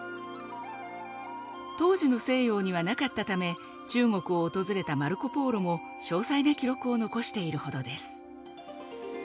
当時の西洋には無かったため中国を訪れたマルコ・ポーロも詳細な記録を残しているほどです。